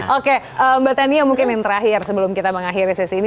oke mbak tania mungkin yang terakhir sebelum kita mengakhiri sesi ini